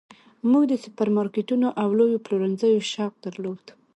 موږ د سوپرمارکیټونو او لویو پلورنځیو شوق درلود